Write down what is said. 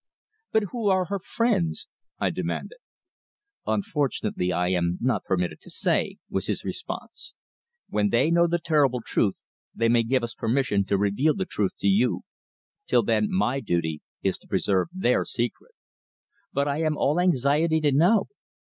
"But who are her friends?" I demanded. "Unfortunately, I am not permitted to say," was his response. "When they know the terrible truth they may give us permission to reveal the truth to you. Till then, my duty is to preserve their secret." "But I am all anxiety to know."